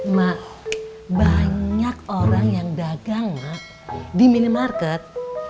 mak banyak orang yang dagang mak di minimarket